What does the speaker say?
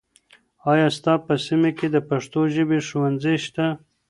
آیا ستا په سیمه کې د پښتو ژبې ښوونځي شته؟